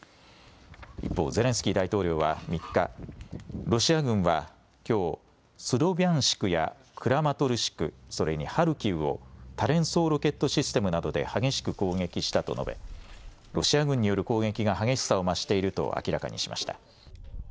一方、ゼレンスキー大統領は３日、ロシア軍はきょう、スロビャンシクや、クラマトルシク、それにハルキウを、多連装ロケットシステムなどで激しく攻撃したと述べ、ロシア軍による攻撃が激しさを増していると明らかにしました。